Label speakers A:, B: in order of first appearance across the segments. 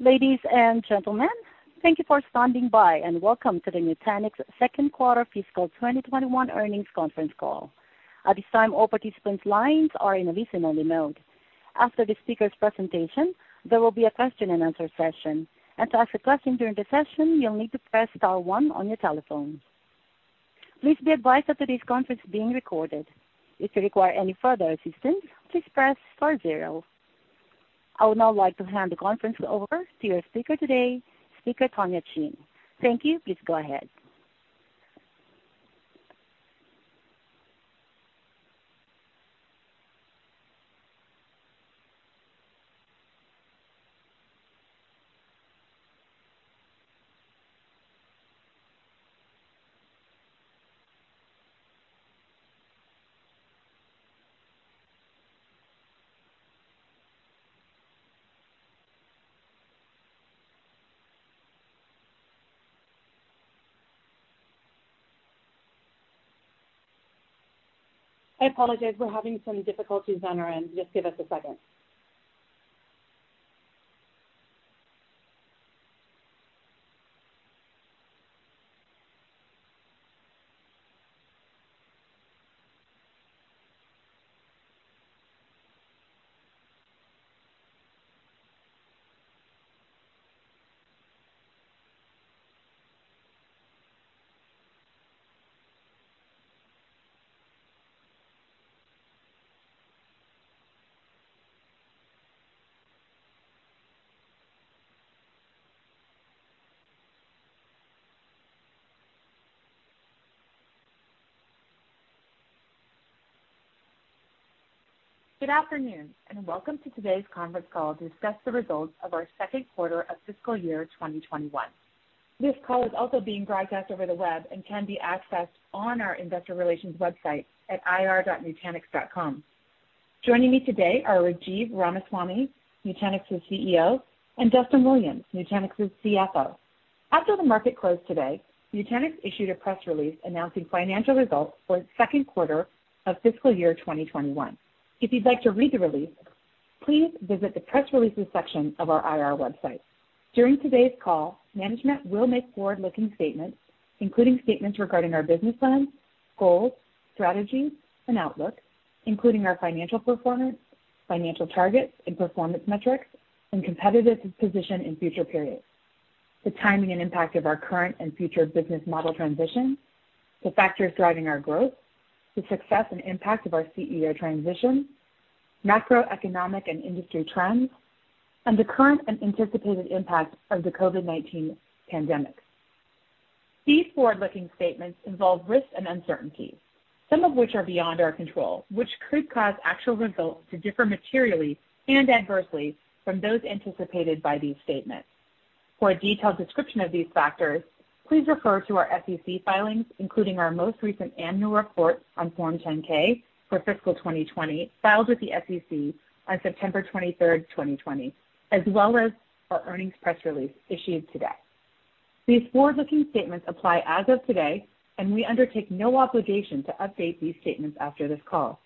A: Ladies and gentlemen, thank you for standing by, and welcome to the Nutanix second quarter fiscal 2021 earnings conference call. At this time all participants lines are in a listen only mode. After the speakers presentation there will be a question and answer session. And to ask a question during the session you'll need to press star one on your telephone. Please be advised that this conference being recorded. If you require any further assistance, please press star zero. I would now like to hand the conference over to your speaker today, speaker Tonya Chin. Thank you. Please go ahead.
B: I apologize. We're having some difficulties on our end. Just give us a second. Good afternoon, and welcome to today's conference call to discuss the results of our second quarter of fiscal year 2021. This call is also being broadcast over the web and can be accessed on our investor relations website at ir.nutanix.com. Joining me today are Rajiv Ramaswami, Nutanix's CEO, and Duston Williams, Nutanix's CFO. After the market closed today, Nutanix issued a press release announcing financial results for its second quarter of fiscal year 2021. If you'd like to read the release, please visit the press releases section of our IR website. During today's call, management will make forward-looking statements, including statements regarding our business plans, goals, strategies, and outlook, including our financial performance, financial targets, and performance metrics, and competitive position in future periods, the timing and impact of our current and future business model transition, the factors driving our growth, the success and impact of our CEO transition, macroeconomic and industry trends, and the current and anticipated impact of the COVID-19 pandemic. These forward-looking statements involve risks and uncertainties, some of which are beyond our control, which could cause actual results to differ materially and adversely from those anticipated by these statements. For a detailed description of these factors, please refer to our SEC filings, including our most recent annual report on Form 10-K for fiscal 2020, filed with the SEC on September 23rd, 2020, as well as our earnings press release issued today. These forward-looking statements apply as of today, and we undertake no obligation to update these statements after this call.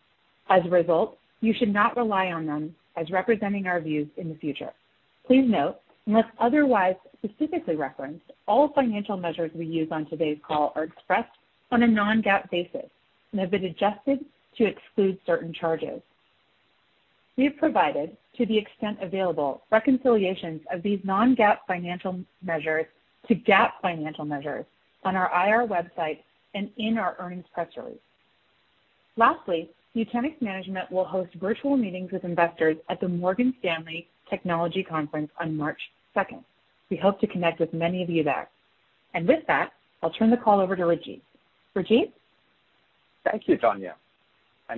B: As a result, you should not rely on them as representing our views in the future. Please note, unless otherwise specifically referenced, all financial measures we use on today's call are expressed on a non-GAAP basis and have been adjusted to exclude certain charges. We have provided, to the extent available, reconciliations of these non-GAAP financial measures to GAAP financial measures on our IR website and in our earnings press release. Lastly, Nutanix management will host virtual meetings with investors at the Morgan Stanley Technology Conference on March 2nd. We hope to connect with many of you there. With that, I'll turn the call over to Rajiv. Rajiv?
C: Thank you, Tonya.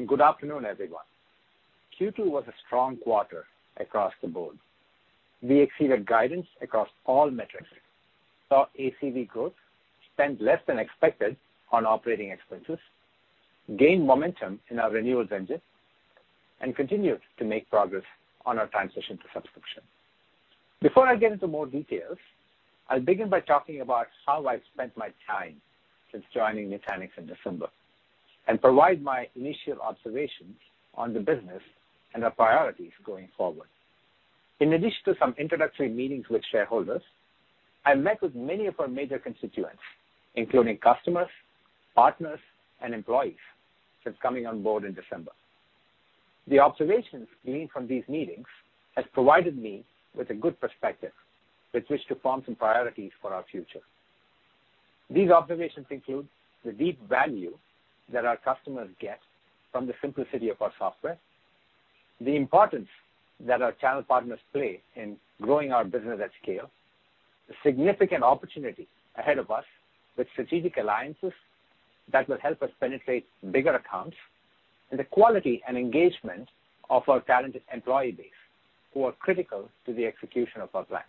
C: Good afternoon, everyone. Q2 was a strong quarter across the board. We exceeded guidance across all metrics, saw ACV growth, spent less than expected on operating expenses, gained momentum in our renewals engine, and continued to make progress on our transition to subscription. Before I get into more details, I'll begin by talking about how I've spent my time since joining Nutanix in December and provide my initial observations on the business and our priorities going forward. In addition to some introductory meetings with shareholders, I met with many of our major constituents, including customers, partners, and employees since coming on board in December. The observations gleaned from these meetings has provided me with a good perspective with which to form some priorities for our future. These observations include the deep value that our customers get from the simplicity of our software, the importance that our channel partners play in growing our business at scale, the significant opportunity ahead of us with strategic alliances that will help us penetrate bigger accounts, and the quality and engagement of our talented employee base, who are critical to the execution of our plans.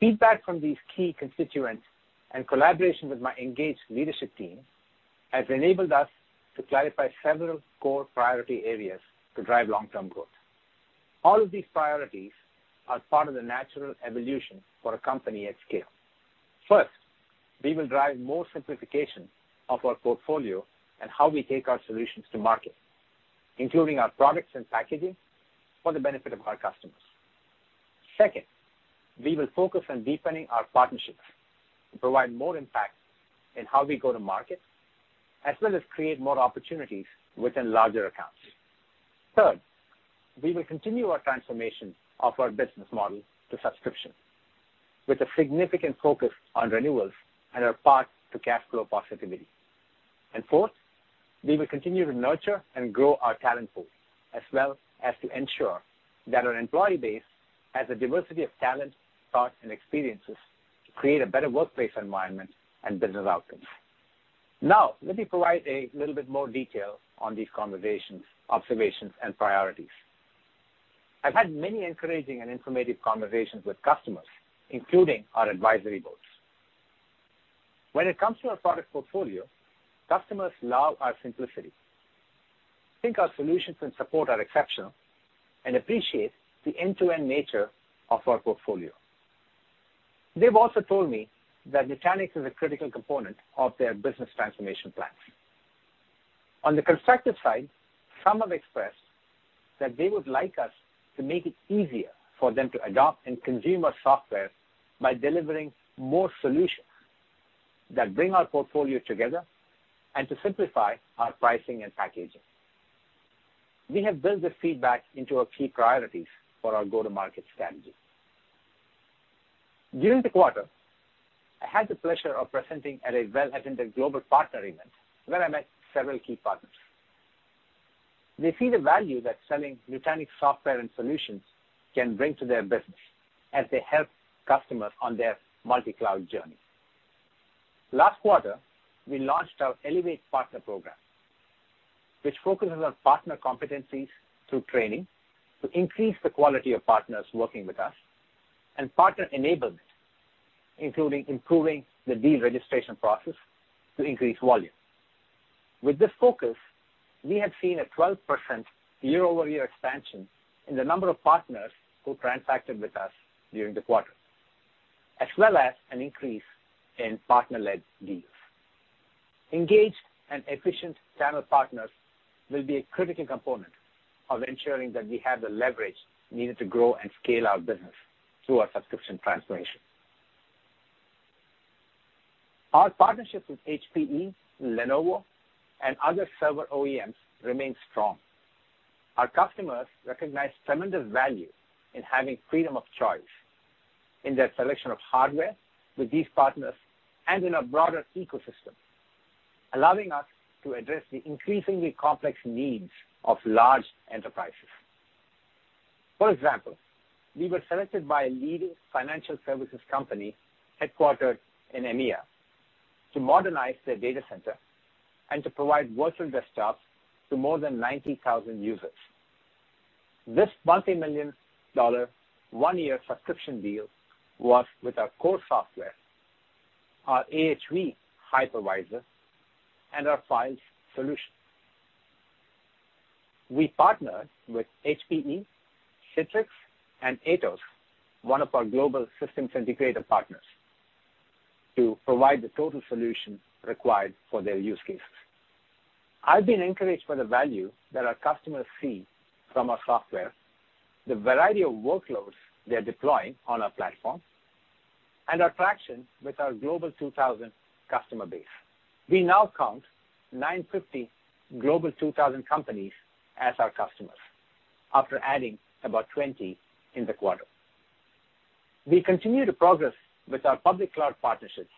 C: Feedback from these key constituents and collaboration with my engaged leadership team has enabled us to clarify several core priority areas to drive long-term growth. All of these priorities are part of the natural evolution for a company at scale. First, we will drive more simplification of our portfolio and how we take our solutions to market, including our products and packaging for the benefit of our customers. Second, we will focus on deepening our partnerships to provide more impact in how we go to market, as well as create more opportunities within larger accounts. Third, we will continue our transformation of our business model to subscription, with a significant focus on renewals and our path to cash flow positivity. Fourth, we will continue to nurture and grow our talent pool, as well as to ensure that our employee base has a diversity of talent, thoughts, and experiences to create a better workplace environment and business outcomes. Now, let me provide a little bit more detail on these conversations, observations, and priorities. I've had many encouraging and informative conversations with customers, including our advisory boards. When it comes to our product portfolio, customers love our simplicity, think our solutions and support are exceptional, and appreciate the end-to-end nature of our portfolio. They've also told me that Nutanix is a critical component of their business transformation plans. On the constructive side, some have expressed that they would like us to make it easier for them to adopt and consume our software by delivering more solutions that bring our portfolio together and to simplify our pricing and packaging. We have built this feedback into our key priorities for our go-to-market strategy. During the quarter, I had the pleasure of presenting at a well-attended global partner event where I met several key partners. They see the value that selling Nutanix software and solutions can bring to their business as they help customers on their multi-cloud journey. Last quarter, we launched our Elevate Partner Program, which focuses on partner competencies through training to increase the quality of partners working with us and partner enablement, including improving the deal registration process to increase volume. With this focus, we have seen a 12% year-over-year expansion in the number of partners who transacted with us during the quarter, as well as an increase in partner-led deals. Engaged and efficient channel partners will be a critical component of ensuring that we have the leverage needed to grow and scale our business through our subscription transformation. Our partnerships with HPE, Lenovo, and other server OEMs remain strong. Our customers recognize tremendous value in having freedom of choice in their selection of hardware with these partners and in our broader ecosystem, allowing us to address the increasingly complex needs of large enterprises. For example, we were selected by a leading financial services company headquartered in EMEA to modernize their data center and to provide virtual desktops to more than 90,000 users. This multimillion-dollar one-year subscription deal was with our core software, our AHV hypervisor, and our Files solution. We partnered with HPE, Citrix, and Atos, one of our global systems integrator partners, to provide the total solution required for their use cases. I've been encouraged by the value that our customers see from our software, the variety of workloads they're deploying on our platform, and our traction with our Global 2000 customer base. We now count 950 Global 2000 companies as our customers after adding about 20 in the quarter. We continue to progress with our public cloud partnerships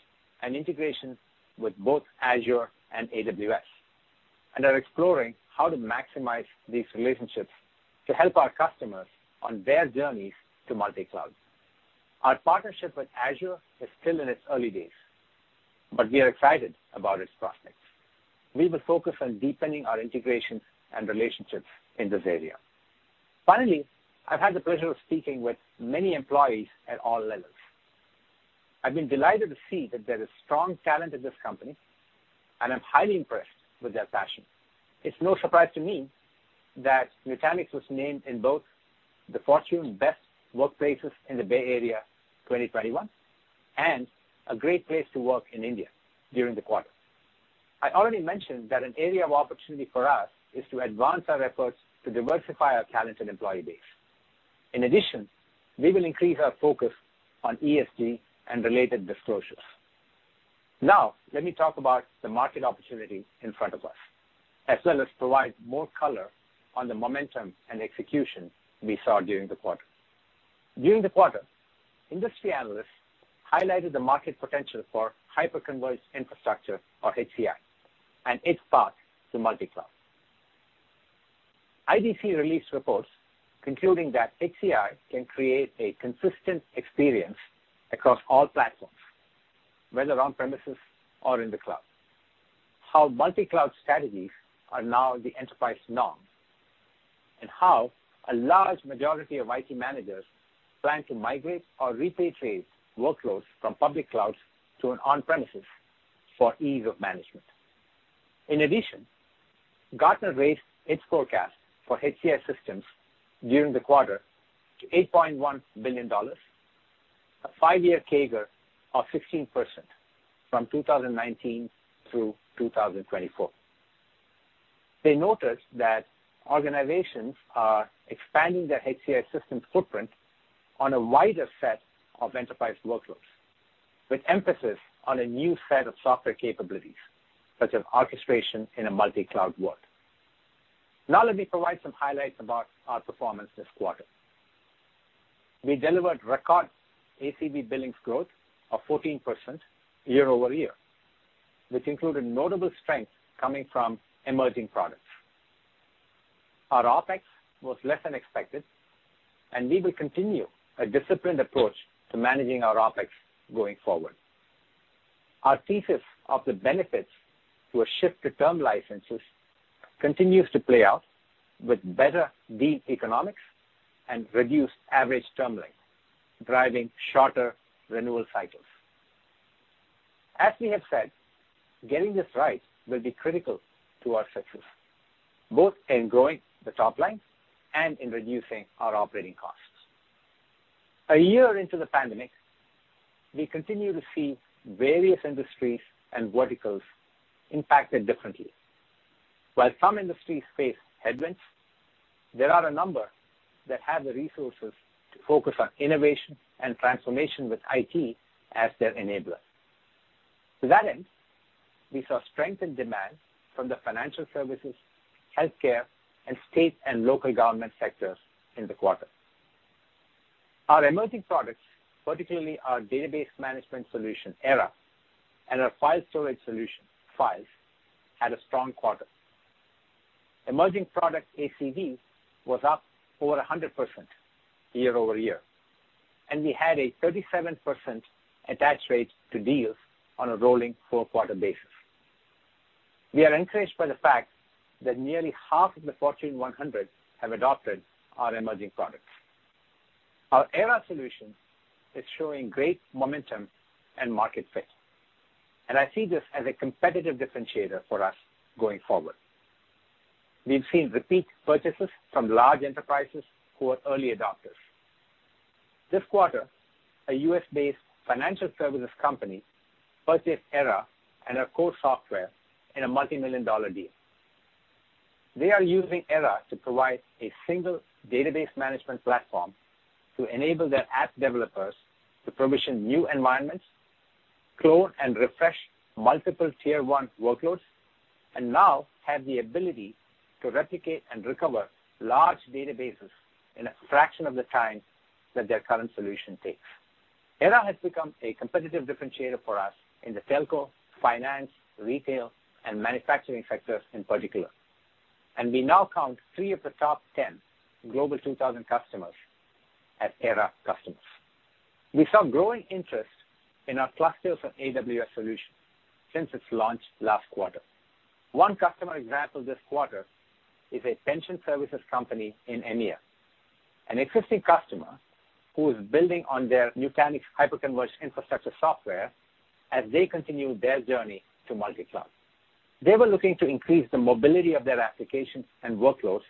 C: and integrations with both Azure and AWS and are exploring how to maximize these relationships to help our customers on their journeys to multi-cloud. Our partnership with Azure is still in its early days, but we are excited about its prospects. We will focus on deepening our integrations and relationships in this area. Finally, I've had the pleasure of speaking with many employees at all levels. I've been delighted to see that there is strong talent in this company, and I'm highly impressed with their passion. It's no surprise to me that Nutanix was named in both the Fortune Best Workplaces in the Bay Area 2021 and a Great Place to Work in India during the quarter. I already mentioned that an area of opportunity for us is to advance our efforts to diversify our talented employee base. We will increase our focus on ESG and related disclosures. Now, let me talk about the market opportunity in front of us, as well as provide more color on the momentum and execution we saw during the quarter. During the quarter, industry analysts highlighted the market potential for hyperconverged infrastructure or HCI and its path to multi-cloud. IDC released reports concluding that HCI can create a consistent experience across all platforms, whether on-premises or in the cloud, how multi-cloud strategies are now the enterprise norm, and how a large majority of IT managers plan to migrate or repatriate workloads from public clouds to an on-premises for ease of management. In addition, Gartner raised its forecast for HCI systems during the quarter to $8.1 billion, a five-year CAGR of 16% from 2019 through 2024. They noted that organizations are expanding their HCI system footprint on a wider set of enterprise workloads, with emphasis on a new set of software capabilities, such as orchestration in a multi-cloud world. Let me provide some highlights about our performance this quarter. We delivered record ACV billings growth of 14% year-over-year, which included notable strength coming from emerging products. Our OPEX was less than expected, and we will continue a disciplined approach to managing our OPEX going forward. Our thesis of the benefits to a shift to term licenses continues to play out with better deal economics and reduced average term length, driving shorter renewal cycles. As we have said, getting this right will be critical to our success, both in growing the top line and in reducing our operating costs. A year into the pandemic, we continue to see various industries and verticals impacted differently. While some industries face headwinds, there are a number that have the resources to focus on innovation and transformation with IT as their enabler. To that end, we saw strength in demand from the financial services, healthcare, and state and local government sectors in the quarter. Our emerging products, particularly our database management solution, Era, and our file storage solution, Files, had a strong quarter. Emerging product ACV was up over 100% year-over-year, and we had a 37% attach rate to deals on a rolling four-quarter basis. We are encouraged by the fact that nearly half of the Fortune 100 have adopted our emerging products. Our Era solution is showing great momentum and market fit, and I see this as a competitive differentiator for us going forward. We've seen repeat purchases from large enterprises who are early adopters. This quarter, a U.S.-based financial services company purchased Era and our core software in a multimillion-dollar deal. They are using Era to provide a single database management platform to enable their app developers to provision new environments, clone and refresh multiple tier 1 workloads, and now have the ability to replicate and recover large databases in a fraction of the time that their current solution takes. Era has become a competitive differentiator for us in the telco, finance, retail, and manufacturing sectors in particular, and we now count three of the top 10 Global 2000 customers as Era customers. We saw growing interest in our Nutanix Clusters on AWS solutions since its launch last quarter. One customer example this quarter is a pension services company in EMEA, an existing customer who is building on their Nutanix hyper-converged infrastructure software as they continue their journey to multi-cloud. They were looking to increase the mobility of their applications and workloads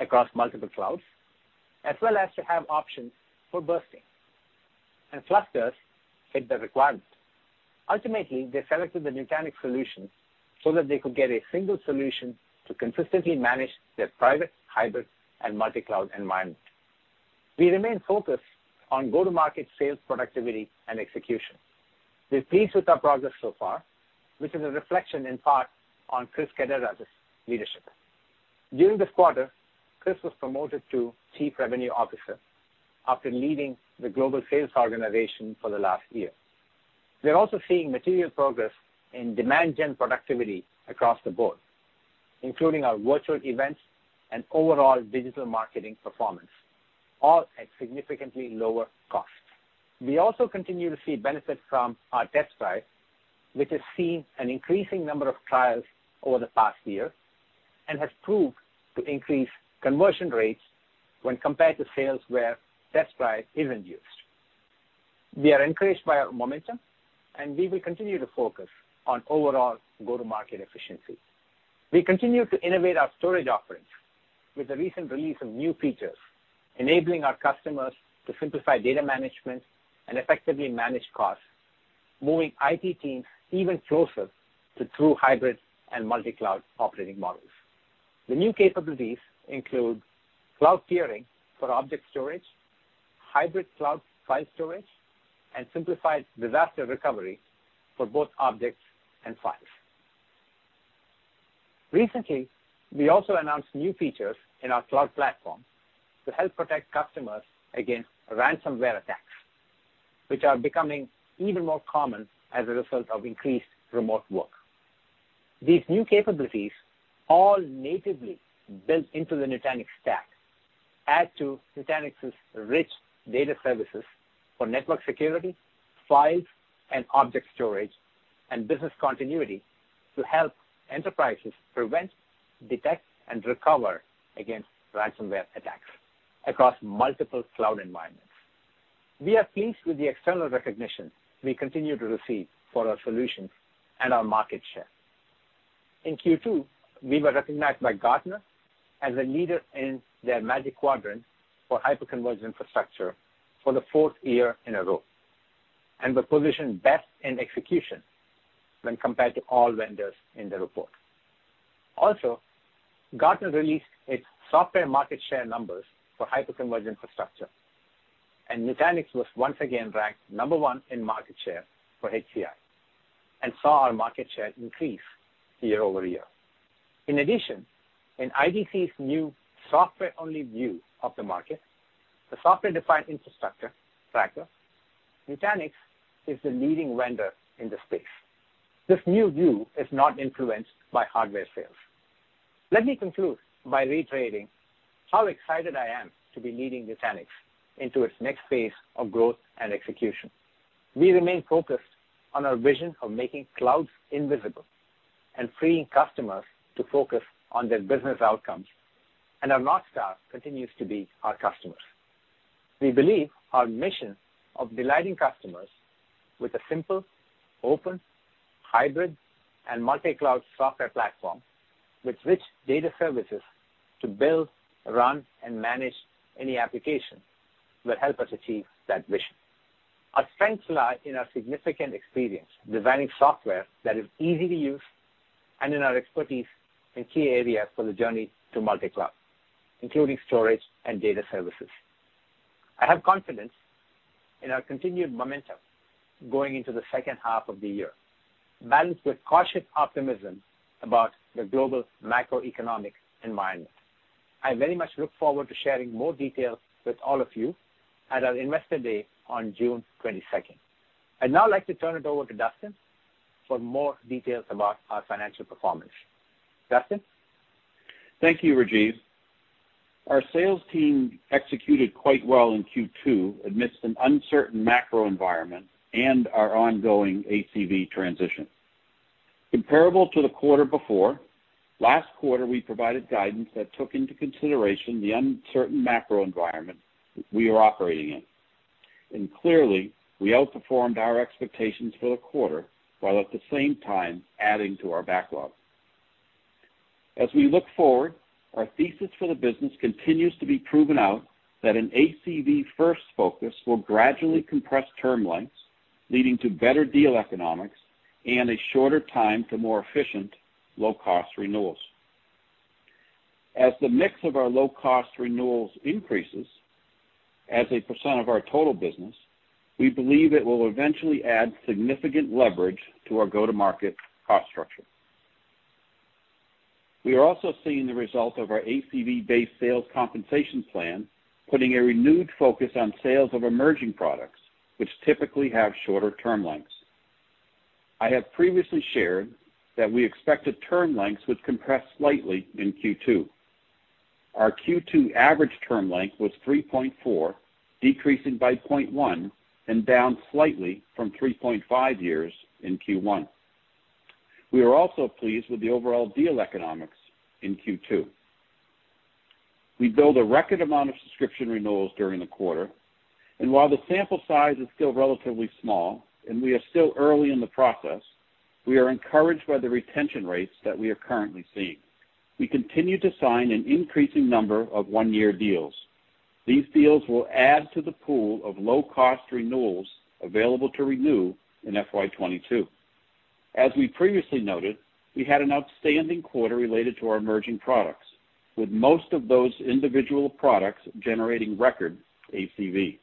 C: across multiple clouds, as well as to have options for bursting, Clusters fit the requirement. Ultimately, they selected the Nutanix solution so that they could get a single solution to consistently manage their private, hybrid, and multi-cloud environment. We remain focused on go-to-market sales productivity and execution. We're pleased with our progress so far, which is a reflection, in part, on Chris Kaddaras's leadership. During this quarter, Chris was promoted to Chief Revenue Officer after leading the global sales organization for the last year. We are also seeing material progress in demand gen productivity across the board, including our virtual events and overall digital marketing performance, all at significantly lower costs. We also continue to see benefits from our Test Drive, which has seen an increasing number of trials over the past year and has proved to increase conversion rates when compared to sales where Test Drive isn't used. We are encouraged by our momentum, and we will continue to focus on overall go-to-market efficiency. We continue to innovate our storage offerings with the recent release of new features, enabling our customers to simplify data management and effectively manage costs, moving IT teams even closer to true hybrid and multi-cloud operating models. The new capabilities include cloud tiering for object storage, hybrid cloud file storage, and simplified disaster recovery for both objects and Files. Recently, we also announced new features in our cloud platform to help protect customers against ransomware attacks, which are becoming even more common as a result of increased remote work. These new capabilities, all natively built into the Nutanix stack, add to Nutanix's rich data services for Files, network security, and object storage, and business continuity to help enterprises prevent, detect, and recover against ransomware attacks across multiple cloud environments. We are pleased with the external recognition we continue to receive for our solutions and our market share. In Q2, we were recognized by Gartner as a leader in their Magic Quadrant for hyperconverged infrastructure for the fourth year in a row, and were positioned best in execution when compared to all vendors in the report. Gartner released its software market share numbers for hyperconverged infrastructure, and Nutanix was once again ranked number one in market share for HCI, and saw our market share increase year-over-year. In IDC's new software-only view of the market, the Software-Defined Infrastructure Tracker, Nutanix is the leading vendor in the space. This new view is not influenced by hardware sales. Let me conclude by reiterating how excited I am to be leading Nutanix into its next phase of growth and execution. We remain focused on our vision of making clouds invisible and freeing customers to focus on their business outcomes, and our North Star continues to be our customers. We believe our mission of delighting customers with a simple, open, hybrid, and multi-cloud software platform with rich data services to build, run, and manage any application will help us achieve that mission. Our strengths lie in our significant experience designing software that is easy to use and in our expertise in key areas for the journey to multi-cloud, including storage and data services. I have confidence in our continued momentum going into the second half of the year, balanced with cautious optimism about the global macroeconomic environment. I very much look forward to sharing more details with all of you at our Investor Day on June 22nd. I'd now like to turn it over to Duston for more details about our financial performance. Duston?
D: Thank you, Rajiv. Our sales team executed quite well in Q2 amidst an uncertain macro environment and our ongoing ACV transition. Comparable to the quarter before, last quarter, we provided guidance that took into consideration the uncertain macro environment that we are operating in. Clearly, we outperformed our expectations for the quarter, while at the same time adding to our backlog. As we look forward, our thesis for the business continues to be proven out that an ACV-first focus will gradually compress term lengths, leading to better deal economics and a shorter time to more efficient, low-cost renewals. As the mix of our low-cost renewals increases as a percent of our total business, we believe it will eventually add significant leverage to our go-to-market cost structure. We are also seeing the result of our ACV-based sales compensation plan, putting a renewed focus on sales of emerging products, which typically have shorter term lengths. I have previously shared that we expected term lengths would compress slightly in Q2. Our Q2 average term length was 3.4 years, decreasing by 0.1 years, and down slightly from 3.5 years in Q1. We are also pleased with the overall deal economics in Q2. While the sample size is still relatively small and we are still early in the process, we are encouraged by the retention rates that we are currently seeing. We billed a record amount of subscription renewals during the quarter. We continue to sign an increasing number of one-year deals. These deals will add to the pool of low-cost renewals available to renew in FY 2022. As we previously noted, we had an outstanding quarter related to our emerging products, with most of those individual products generating record ACV.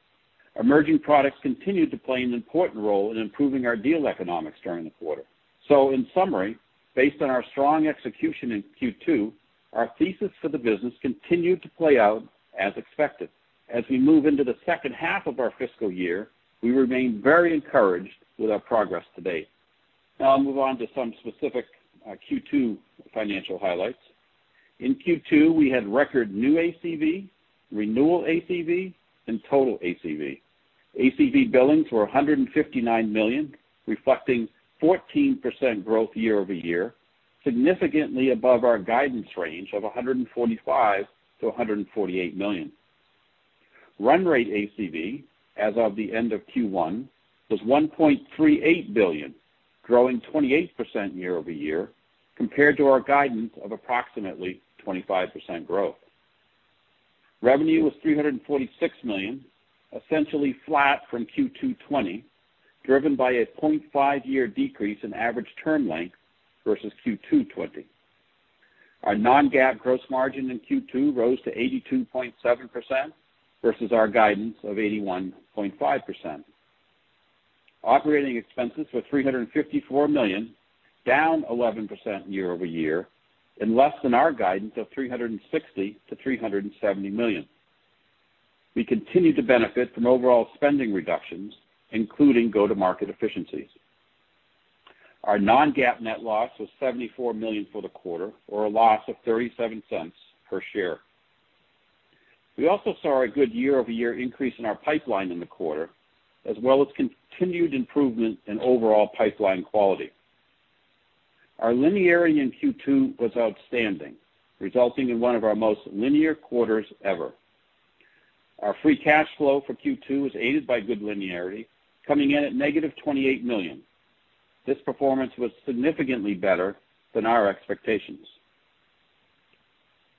D: Emerging products continued to play an important role in improving our deal economics during the quarter. In summary, based on our strong execution in Q2, our thesis for the business continued to play out as expected. As we move into the second half of our fiscal year, we remain very encouraged with our progress to date. I'll move on to some specific Q2 financial highlights. In Q2, we had record new ACV, renewal ACV, and total ACV. ACV billings were $159 million, reflecting 14% growth year-over-year, significantly above our guidance range of $145 million-$148 million. Run rate ACV as of the end of Q1 was $1.38 billion, growing 28% year-over-year compared to our guidance of approximately 25% growth. Revenue was $346 million, essentially flat from Q2 2020, driven by a 0.5 year decrease in average term length versus Q2 2020. Our non-GAAP gross margin in Q2 rose to 82.7% versus our guidance of 81.5%. Operating expenses were $354 million, down 11% year-over-year, and less than our guidance of $360 million-$370 million. We continue to benefit from overall spending reductions, including go-to-market efficiencies. Our non-GAAP net loss was $74 million for the quarter, or a loss of $0.37 per share. We also saw a good year-over-year increase in our pipeline in the quarter, as well as continued improvement in overall pipeline quality. Our linearity in Q2 was outstanding, resulting in one of our most linear quarters ever. Our free cash flow for Q2 was aided by good linearity, coming in at negative $28 million. This performance was significantly better than our expectations.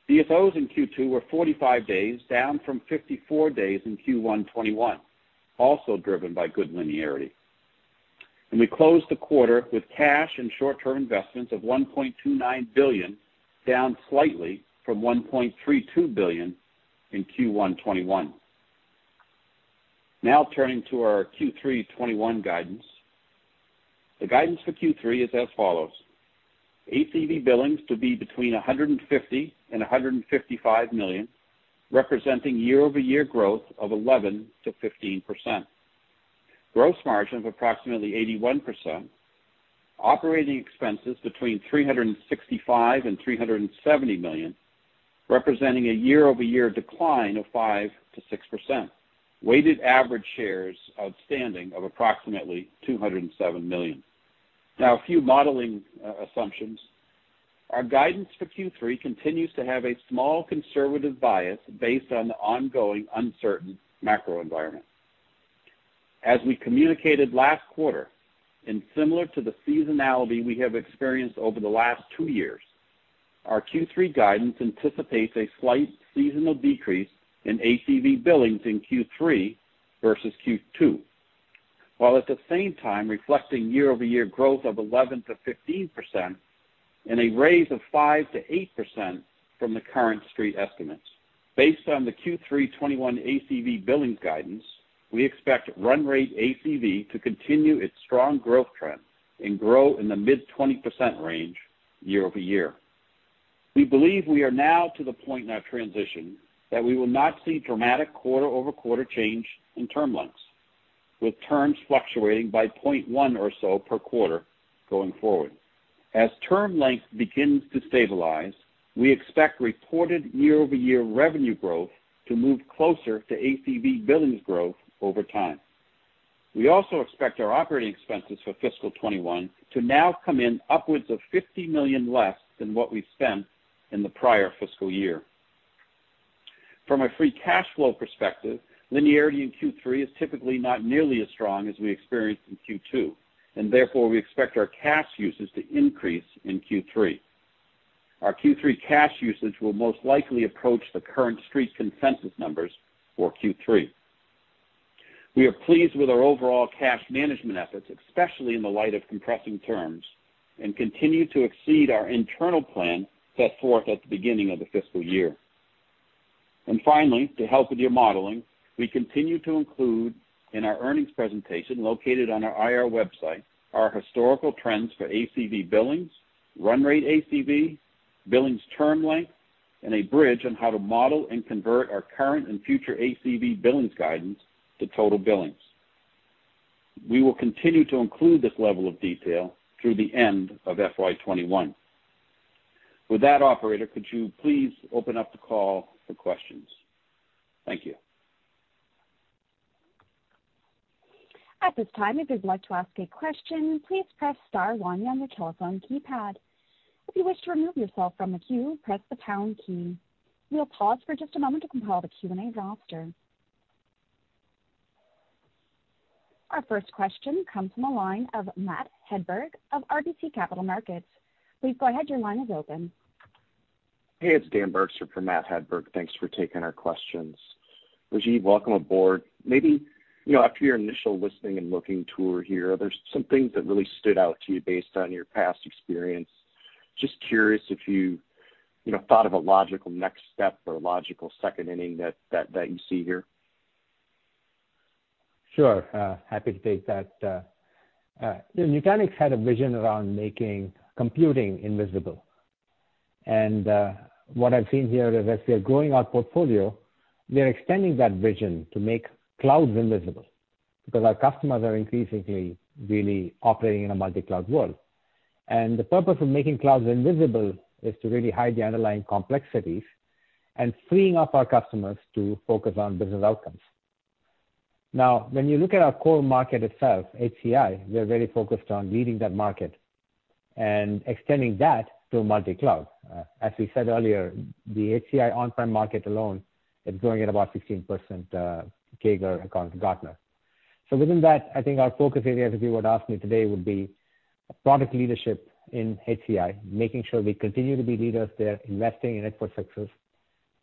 D: DSOs in Q2 were 45 days, down from 54 days in Q1 2021, also driven by good linearity. We closed the quarter with cash and short-term investments of $1.29 billion, down slightly from $1.32 billion in Q1 2021. Turning to our Q3 2021 guidance. The guidance for Q3 is as follows. ACV billings to be between $150 million and $155 million, representing year-over-year growth of 11%-15%. Gross margin of approximately 81%. Operating expenses between $365 million and $370 million, representing a year-over-year decline of 5%-6%. Weighted average shares outstanding of approximately 207 million. A few modeling assumptions. Our guidance for Q3 continues to have a small conservative bias based on the ongoing uncertain macro environment. As we communicated last quarter, and similar to the seasonality we have experienced over the last two years, our Q3 guidance anticipates a slight seasonal decrease in ACV billings in Q3 versus Q2, while at the same time reflecting year-over-year growth of 11%-15% and a raise of 5%-8% from the current Street estimates. Based on the Q3 2021 ACV billings guidance, we expect run rate ACV to continue its strong growth trend and grow in the mid-20% range year-over-year. We believe we are now to the point in our transition that we will not see dramatic quarter-over-quarter change in term lengths, with terms fluctuating by 0.1 years or so per quarter going forward. As term length begins to stabilize, we expect reported year-over-year revenue growth to move closer to ACV billings growth over time. We also expect our operating expenses for fiscal 2021 to now come in upwards of $50 million less than what we spent in the prior fiscal year. From a free cash flow perspective, linearity in Q3 is typically not nearly as strong as we experienced in Q2, and therefore, we expect our cash usage to increase in Q3. Our Q3 cash usage will most likely approach the current Street consensus numbers for Q3. We are pleased with our overall cash management efforts, especially in the light of compressing terms, and continue to exceed our internal plan set forth at the beginning of the fiscal year. Finally, to help with your modeling, we continue to include in our earnings presentation, located on our IR website, our historical trends for ACV billings, run rate ACV, billings term length, and a bridge on how to model and convert our current and future ACV billings guidance to total billings. We will continue to include this level of detail through the end of FY 2021. With that, operator, could you please open up the call for questions? Thank you.
A: At this time, if you'd like to ask a question, please press star one on the telephone keypad. If you wish to remove yourself from the queue, press the pound key. We'll pause for just a moment to compile the Q&A roster. Our first question comes from the line of Matt Hedberg of RBC Capital Markets. Please go ahead, your line is open.
E: Hey, it's Dan Bergstrom for Matt Hedberg. Thanks for taking our questions. Rajiv, welcome aboard. Maybe after your initial listening and looking tour here, are there some things that really stood out to you based on your past experience? Just curious if you thought of a logical next step or a logical second inning that you see here.
C: Sure. Happy to take that. Nutanix had a vision around making computing invisible. What I've seen here is as we are growing our portfolio, we are extending that vision to make clouds invisible, because our customers are increasingly really operating in a multi-cloud world. The purpose of making clouds invisible is to really hide the underlying complexities and freeing up our customers to focus on business outcomes. Now, when you look at our core market itself, HCI, we are very focused on leading that market and extending that to multi-cloud. As we said earlier, the HCI on-prem market alone is growing at about 16% CAGR, according to Gartner. Within that, I think our focus area, if you were to ask me today, would be product leadership in HCI, making sure we continue to be leaders there, investing in it for success,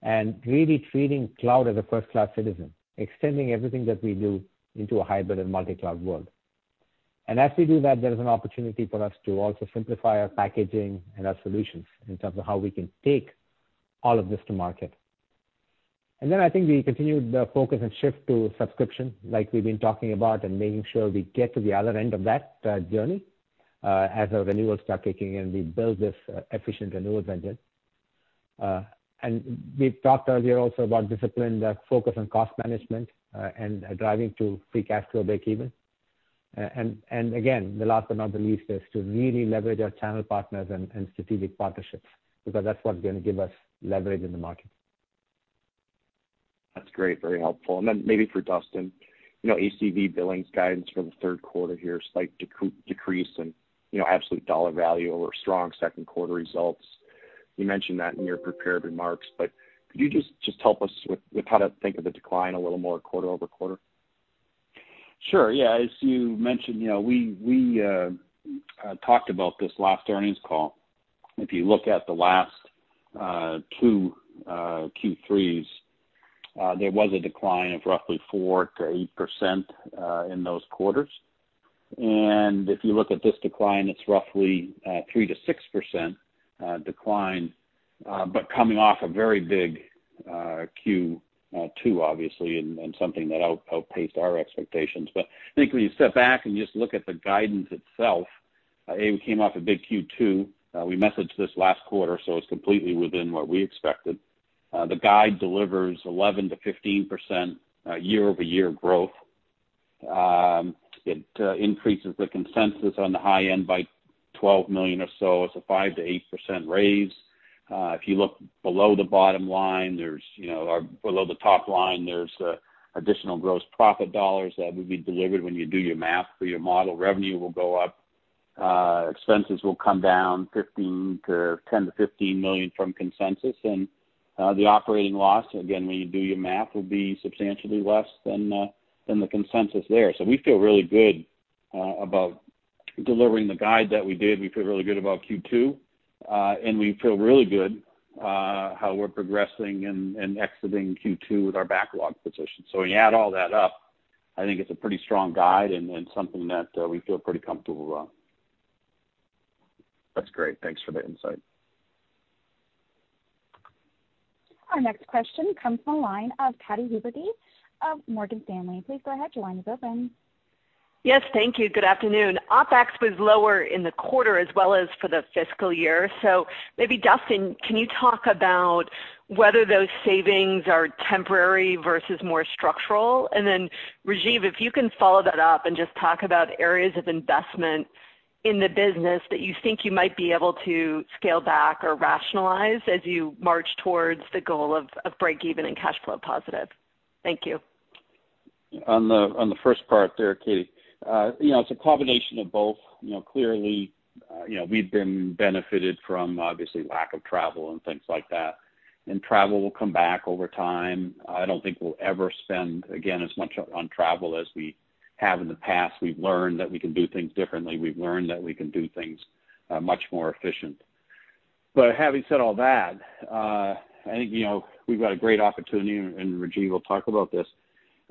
C: and really treating cloud as a first-class citizen, extending everything that we do into a hybrid and multi-cloud world. As we do that, there is an opportunity for us to also simplify our packaging and our solutions in terms of how we can take all of this to market. Then I think we continued the focus and shift to subscription, like we've been talking about, and making sure we get to the other end of that journey as our renewals start kicking in, we build this efficient renewals engine. We talked earlier also about disciplined focus on cost management and driving to free cash flow breakeven. Again, the last but not the least is to really leverage our channel partners and strategic partnerships, because that's what's going to give us leverage in the market.
E: That's great, very helpful. Maybe for Duston. ACV billings guidance for the third quarter here, slight decrease in absolute dollar value over strong second quarter results. You mentioned that in your prepared remarks, could you just help us with how to think of the decline a little more quarter-over-quarter?
D: Sure. Yeah. As you mentioned, we talked about this last earnings call. If you look at the last two Q3s, there was a decline of roughly 4%-8% in those quarters. If you look at this decline, it's roughly 3%-6% decline, but coming off a very big Q2, obviously, and something that outpaced our expectations. I think when you step back and just look at the guidance itself, A, we came off a big Q2. We messaged this last quarter, so it's completely within what we expected. The guide delivers 11%-15% year-over-year growth. It increases the consensus on the high end by $12 million or so. It's a 5%-8% raise. If you look below the top line, there's additional gross profit dollars that would be delivered when you do your math for your model. Revenue will go up, expenses will come down $10 million-$15 million from consensus. The operating loss, again, when you do your math, will be substantially less than the consensus there. We feel really good about delivering the guide that we did. We feel really good about Q2. We feel really good how we're progressing and exiting Q2 with our backlog position. When you add all that up, I think it's a pretty strong guide and something that we feel pretty comfortable about.
E: That's great. Thanks for the insight.
A: Our next question comes from the line of Katy Huberty of Morgan Stanley. Please go ahead. Your line is open.
F: Yes, thank you. Good afternoon. OpEx was lower in the quarter as well as for the fiscal year. Maybe Duston, can you talk about whether those savings are temporary versus more structural? Rajiv, if you can follow that up and just talk about areas of investment in the business that you think you might be able to scale back or rationalize as you march towards the goal of break-even and cash flow positive. Thank you.
D: On the first part there, Katy, it's a combination of both. Clearly, we've been benefited from obviously lack of travel and things like that. Travel will come back over time. I don't think we'll ever spend again as much on travel as we have in the past. We've learned that we can do things differently. We've learned that we can do things much more efficient. Having said all that, I think we've got a great opportunity, and Rajiv will talk about this.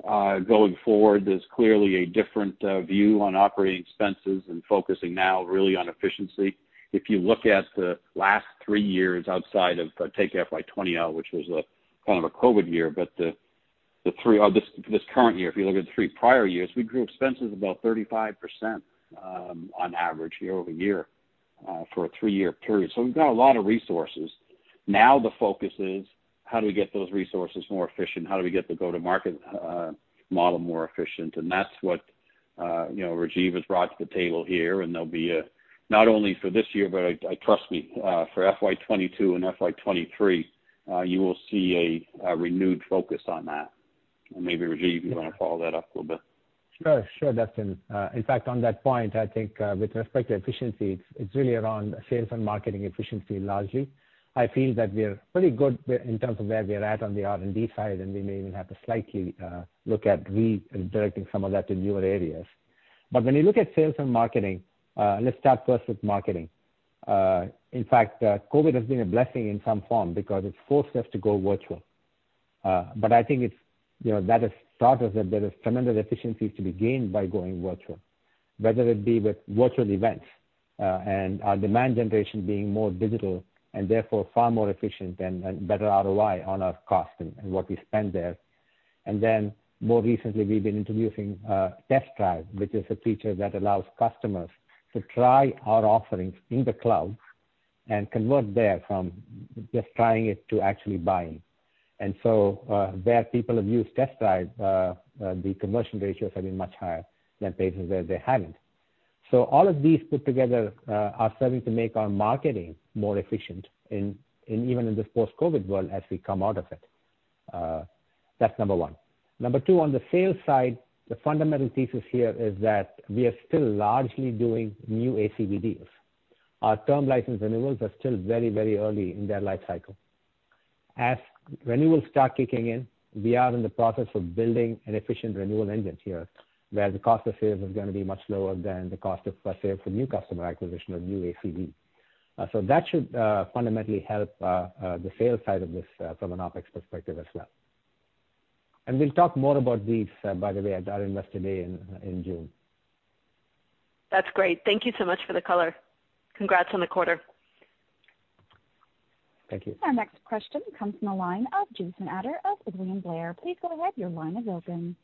D: Going forward, there's clearly a different view on operating expenses and focusing now really on efficiency. If you look at the last three years outside of, take FY 2020 out, which was kind of a COVID year. This current year, if you look at the three prior years, we grew expenses about 35% on average year-over-year for a three-year period. We've got a lot of resources. Now the focus is how do we get those resources more efficient? How do we get the go-to-market model more efficient? That's what Rajiv has brought to the table here, and there'll be a, not only for this year, but trust me, for FY 2022 and FY 2023, you will see a renewed focus on that. Maybe, Rajiv, you want to follow that up a little bit?
C: Sure, Duston. In fact, on that point, I think with respect to efficiency, it's really around sales and marketing efficiency largely. I feel that we are pretty good in terms of where we are at on the R&D side, and we may even have to slightly look at redirecting some of that to newer areas. When you look at sales and marketing, let's start first with marketing. In fact, COVID has been a blessing in some form because it's forced us to go virtual. I think that has taught us that there are tremendous efficiencies to be gained by going virtual, whether it be with virtual events and our demand generation being more digital and therefore far more efficient and better ROI on our cost and what we spend there. More recently, we've been introducing Test Drive, which is a feature that allows customers to try our offerings in the cloud and convert there from just trying it to actually buying. Where people have used Test Drive, the conversion ratios have been much higher than places where they haven't. All of these put together are serving to make our marketing more efficient even in this post-COVID-19 world as we come out of it. That's number one. Number two, on the sales side, the fundamental thesis here is that we are still largely doing new ACV deals. Our term license renewals are still very early in their life cycle. As renewals start kicking in, we are in the process of building an efficient renewal engine here, where the cost of sales is going to be much lower than the cost of per sale for new customer acquisition or new ACV. That should fundamentally help the sales side of this from an OpEx perspective as well. We'll talk more about these, by the way, at our Investor Day in June.
F: That's great. Thank you so much for the color. Congrats on the quarter.
C: Thank you.
A: Our next question comes from the line of Jason Ader of William Blair. Please go ahead, your line is open.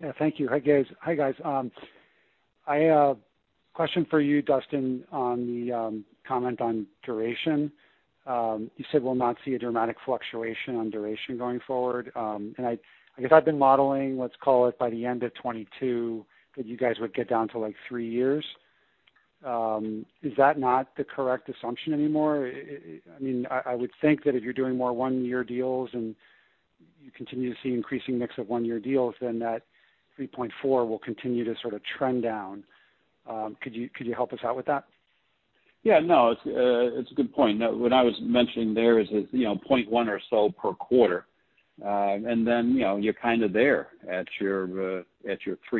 G: Yeah, thank you. Hi, guys. I have a question for you, Duston, on the comment on duration. You said we'll not see a dramatic fluctuation on duration going forward. I guess I've been modeling, let's call it by the end of 2022, that you guys would get down to like three years. Is that not the correct assumption anymore? I would think that if you're doing more one-year deals and you continue to see increasing mix of one-year deals, then that 3.4 years will continue to sort of trend down. Could you help us out with that?
D: Yeah. No, it's a good point. What I was mentioning there is, 0.1 years or so per quarter. Then you're kind of there at your 3.0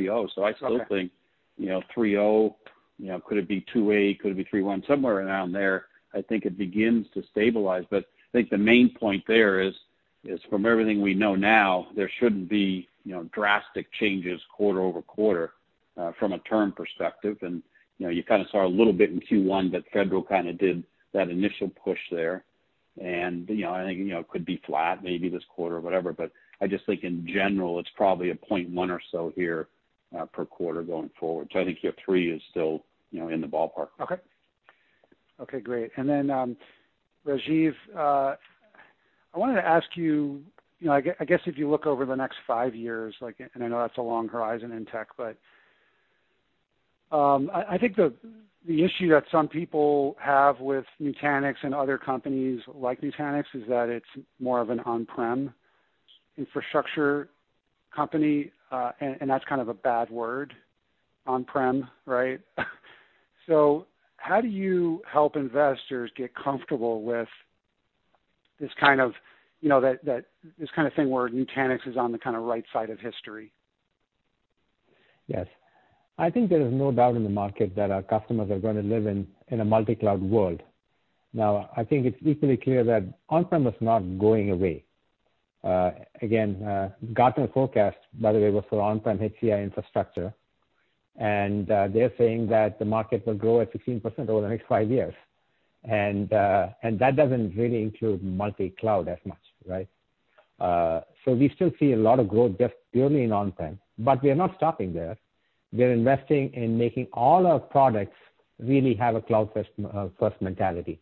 D: years.
G: Okay.
D: I still think 3.0 years, could it be 2.8 years? Could it be 3.1 years? Somewhere around there, I think it begins to stabilize. I think the main point there is from everything we know now, there shouldn't be drastic changes quarter-over-quarter, from a term perspective. You kind of saw a little bit in Q1 that federal kind of did that initial push there. I think could be flat maybe this quarter or whatever, but I just think in general, it's probably a 0.1 years or so here, per quarter going forward. I think your three is still in the ballpark.
G: Okay. Okay, great. Rajiv, I wanted to ask you, I guess if you look over the next five years, and I know that's a long horizon in tech, but, I think the issue that some people have with Nutanix and other companies like Nutanix is that it's more of an on-prem infrastructure company, and that's kind of a bad word, on-prem, right? How do you help investors get comfortable with this kind of thing where Nutanix is on the right side of history?
C: Yes. I think there is no doubt in the market that our customers are going to live in a multi-cloud world. I think it's equally clear that on-prem is not going away. Gartner forecast, by the way, was for on-prem HCI infrastructure. They're saying that the market will grow at 16% over the next five years. That doesn't really include multi-cloud as much, right? We still see a lot of growth just purely in on-prem, but we are not stopping there. We are investing in making all our products really have a cloud-first mentality.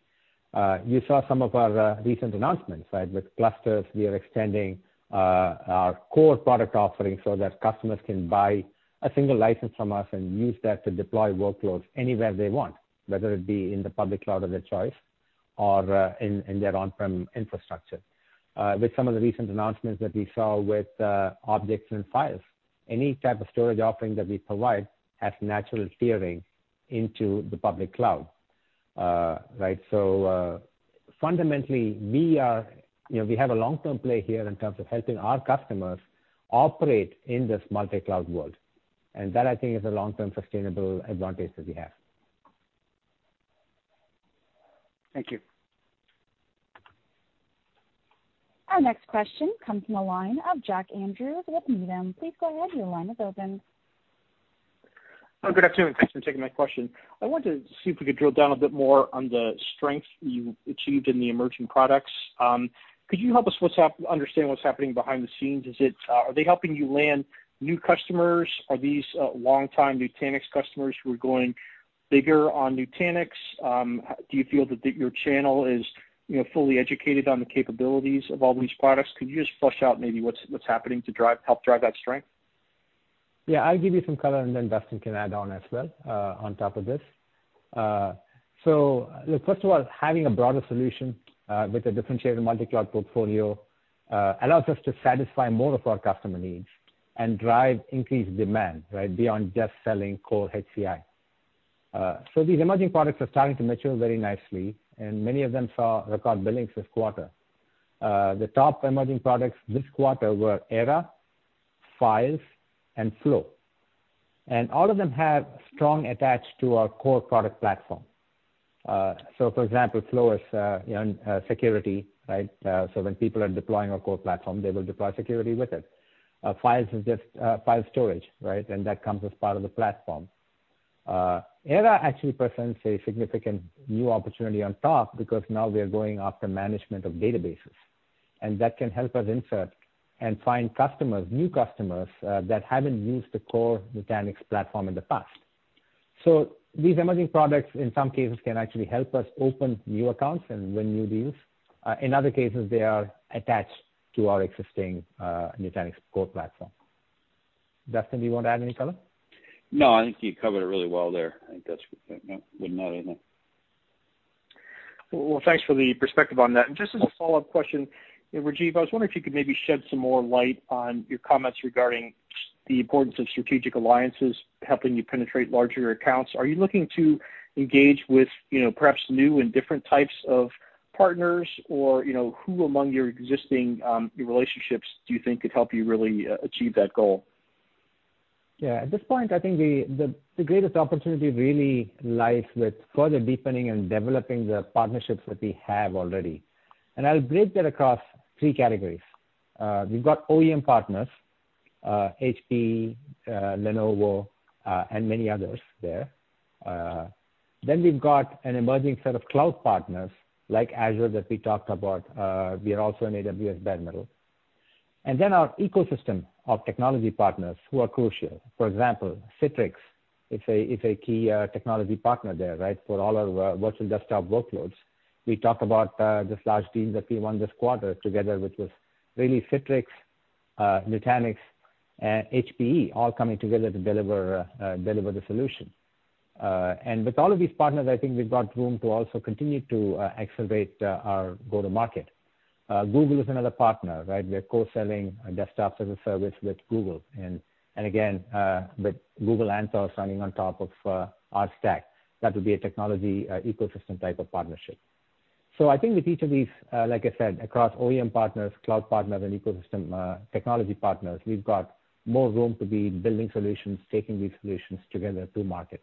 C: You saw some of our recent announcements, with clusters, we are extending our core product offerings so that customers can buy a single license from us and use that to deploy workloads anywhere they want, whether it be in the public cloud of their choice or in their on-prem infrastructure. With some of the recent announcements that we saw with objects and Files, any type of storage offering that we provide has natural steering into the public cloud. Fundamentally, we have a long-term play here in terms of helping our customers operate in this multi-cloud world. That, I think, is a long-term sustainable advantage that we have.
G: Thank you.
A: Our next question comes from the line of Jack Andrews with Needham. Please go ahead. Your line is open.
H: Oh, good afternoon. Thanks for taking my question. I wanted to see if we could drill down a bit more on the strength you achieved in the emerging products. Could you help us understand what's happening behind the scenes? Are they helping you land new customers? Are these long-time Nutanix customers who are going bigger on Nutanix? Do you feel that your channel is fully educated on the capabilities of all these products? Could you just flush out maybe what's happening to help drive that strength?
C: I'll give you some color, and then Duston can add on as well, on top of this. Look, first of all, having a broader solution, with a differentiated multi-cloud portfolio, allows us to satisfy more of our customer needs and drive increased demand beyond just selling core HCI. These emerging products are starting to mature very nicely, and many of them saw record billings this quarter. The top emerging products this quarter were Era, Files, and Flow. All of them have strong attach to our core product platform. For example, Flow is security. When people are deploying our core platform, they will deploy security with it. Files is just file storage. That comes as part of the platform. Era actually presents a significant new opportunity on top because now we are going after management of databases, and that can help us insert and find new customers, that haven't used the core Nutanix platform in the past. These emerging products in some cases, can actually help us open new accounts and win new deals. In other cases, they are attached to our existing Nutanix core platform. Duston, do you want to add any color?
D: No, I think you covered it really well there. I think that's No, wouldn't add anything.
H: Well, thanks for the perspective on that. Just as a follow-up question, Rajiv, I was wondering if you could maybe shed some more light on your comments regarding the importance of strategic alliances helping you penetrate larger accounts. Are you looking to engage with perhaps new and different types of partners or who among your existing relationships do you think could help you really achieve that goal?
C: Yeah. At this point, I think the greatest opportunity really lies with further deepening and developing the partnerships that we have already. I'll break that across three categories. We've got OEM partners, HPE, Lenovo, and many others there. We've got an emerging set of cloud partners like Azure that we talked about. We are also in Nutanix Clusters on AWS. Our ecosystem of technology partners who are crucial. For example, Citrix is a key technology partner there for all our virtual desktop workloads. We talked about this large deal that we won this quarter together, which was really Citrix, Nutanix, and HPE all coming together to deliver the solution. With all of these partners, I think we've got room to also continue to accelerate our go to market. Google is another partner, right? We are co-selling Desktop-as-a-Service with Google, and again, with Google Anthos running on top of our stack. That would be a technology ecosystem type of partnership. I think with each of these, like I said, across OEM partners, cloud partners, and ecosystem technology partners, we've got more room to be building solutions, taking these solutions together to market.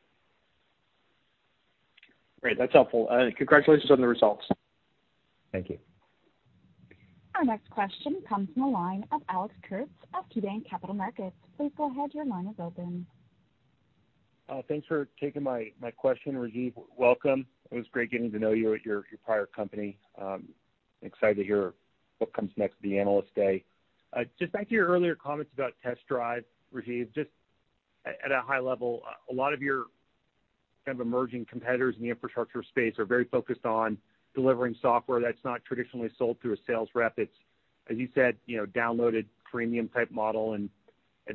H: Great. That's helpful. Congratulations on the results.
C: Thank you.
A: Our next question comes from the line of Alex Kurtz of KeyBanc Capital Markets. Please go ahead, your line is open.
I: Thanks for taking my question, Rajiv. Welcome. It was great getting to know you at your prior company. I'm excited to hear what comes next at the Analyst Day. Just back to your earlier comments about Test Drive, Rajiv, just at a high level, a lot of your emerging competitors in the infrastructure space are very focused on delivering software that's not traditionally sold through a sales rep. It's, as you said, downloaded premium type model, and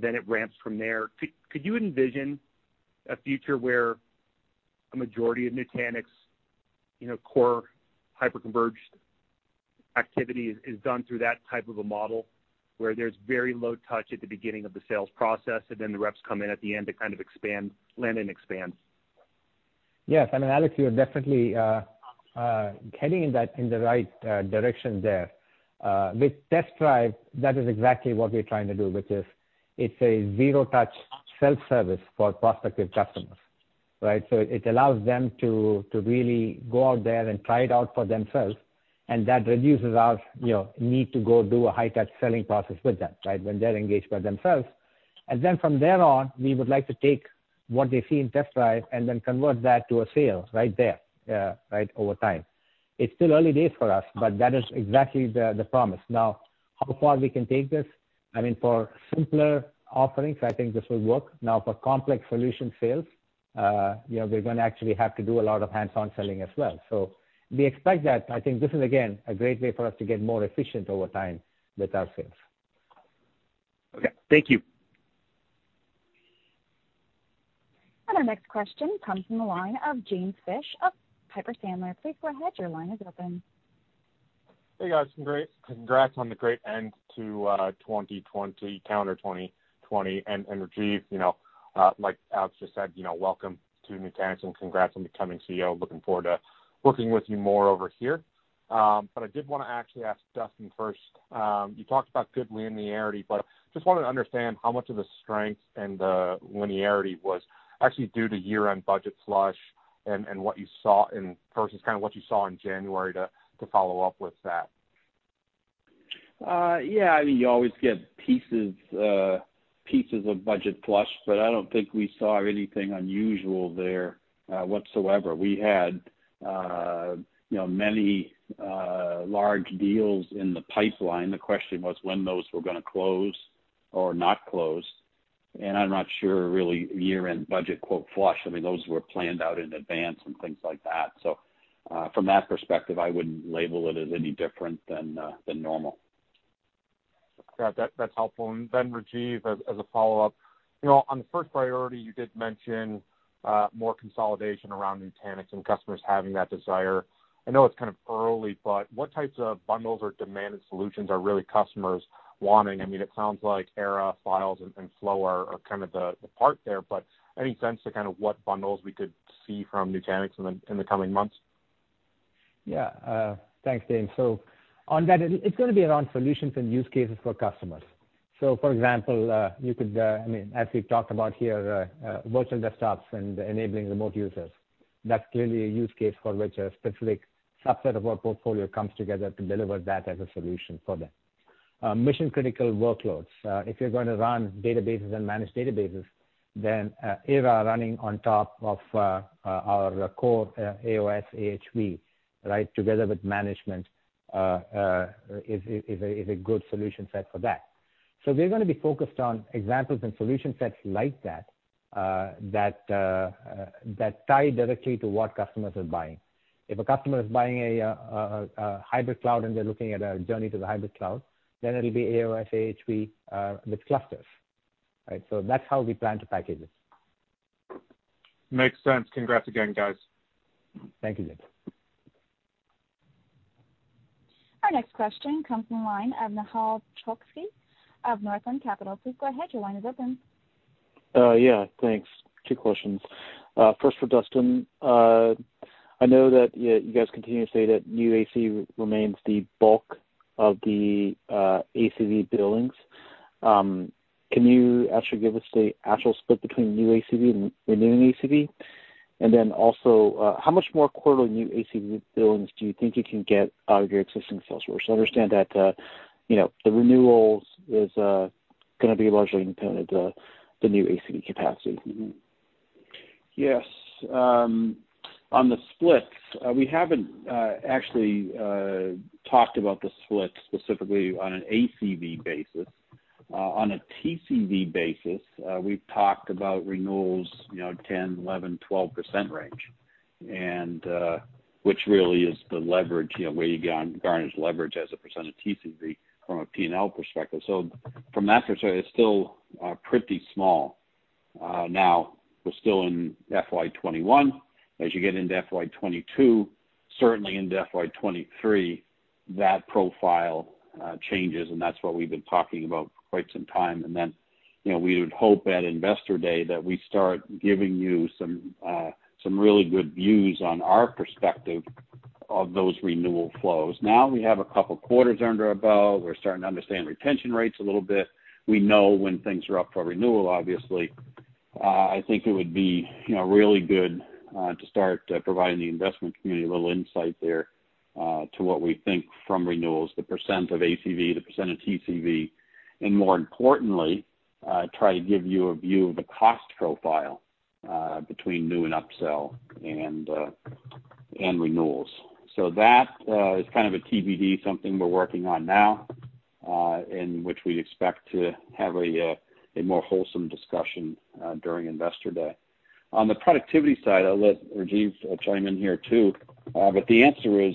I: then it ramps from there. Could you envision a future where a majority of Nutanix core hyper-converged activity is done through that type of a model, where there's very low touch at the beginning of the sales process, and then the reps come in at the end to land and expand?
C: Alex, you are definitely heading in the right direction there. With Test Drive, that is exactly what we're trying to do with this. It's a zero touch self-service for prospective customers. It allows them to really go out there and try it out for themselves, and that reduces our need to go do a high-touch selling process with them, when they're engaged by themselves. From there on, we would like to take what they see in Test Drive and convert that to a sale right there, over time. It's still early days for us, that is exactly the promise. How far we can take this, for simpler offerings, I think this will work. For complex solution sales, we're going to actually have to do a lot of hands-on selling as well. We expect that. I think this is, again, a great way for us to get more efficient over time with our sales.
I: Okay. Thank you.
A: Our next question comes from the line of James Fish of Piper Sandler. Please go ahead. Your line is open.
J: Hey, guys. Congrats on the great end to 2020, calendar 2020. Rajiv, like Alex just said, welcome to Nutanix, and congrats on becoming CEO. Looking forward to working with you more over here. I did want to actually ask Duston first. You talked about good linearity, just wanted to understand how much of the strength and the linearity was actually due to year-end budget flush versus what you saw in January to follow up with that.
D: Yeah. You always get pieces of budget flush, but I don't think we saw anything unusual there whatsoever. We had many large deals in the pipeline. The question was when those were going to close or not close, and I'm not sure really year-end budget, quote, "flush." Those were planned out in advance and things like that. From that perspective, I wouldn't label it as any different than normal.
J: Got it. That's helpful. Then Rajiv, as a follow-up. On the first priority, you did mention more consolidation around Nutanix and customers having that desire. I know it's early, but what types of bundles or demanded solutions are really customers wanting? It sounds like Era, Files, and Flow are the part there, but any sense to what bundles we could see from Nutanix in the coming months?
C: Thanks, James. On that, it's going to be around solutions and use cases for customers. For example, as we've talked about here, virtual desktops and enabling remote users. That's clearly a use case for which a specific subset of our portfolio comes together to deliver that as a solution for them. Mission critical workloads. If you're going to run databases and manage databases, Era running on top of our core AOS/AHV, together with management, is a good solution set for that. We're going to be focused on examples and solution sets like that tie directly to what customers are buying. If a customer is buying a hybrid cloud and they're looking at a journey to the hybrid cloud, it'll be AOS/AHV with clusters. That's how we plan to package this.
J: Makes sense. Congrats again, guys.
C: Thank you, James.
A: Our next question comes from the line of Nehal Chokshi of Northland Capital. Please go ahead, your line is open.
K: Yeah. Thanks. Two questions. First for Duston. I know that you guys continue to say that new ACV remains the bulk of the ACV billings. Can you actually give us the actual split between new ACV and renewing ACV? How much more quarterly new ACV billings do you think you can get out of your existing sales force? I understand that the renewals is going to be largely dependent on the new ACV capacity.
D: Yes. On the splits, we have not actually talked about the splits specifically on an ACV basis. On a TCV basis, we have talked about renewals 10%-12% range. Which really is the leverage, where you garnish leverage as a percent of TCV from a P&L perspective. From that perspective, it is still pretty small. We are still in FY 2021. As you get into FY 2022, certainly into FY 2023, that profile changes, that is what we have been talking about for quite some time. Then we would hope at Investor Day that we start giving you some really good views on our perspective of those renewal flows. We have a couple of quarters under our belt. We are starting to understand retention rates a little bit. We know when things are up for renewal, obviously. I think it would be really good to start providing the investment community a little insight there to what we think from renewals, the percent of ACV, the percent of TCV, and more importantly, try to give you a view of the cost profile between new and upsell and renewals. That is kind of a TBD, something we're working on now, and which we expect to have a more wholesome discussion during Investor Day. On the productivity side, I'll let Rajiv chime in here too. The answer is,